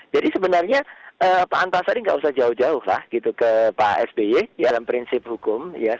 jadi sebenarnya pak antasari nggak usah jauh jauh lah gitu ke pak sby dalam prinsip hukum